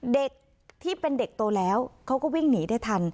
เด็กที่เป็นเด็กโตแล้วเขาก็วิ่งหนีได้ทัน